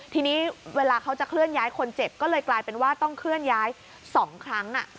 ทีนี้เวลาเขาจะเคลื่อนย้ายคนเจ็บก็เลยกลายเป็นว่าต้องเคลื่อนย้าย๒ครั้ง